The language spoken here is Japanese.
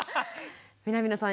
南野さん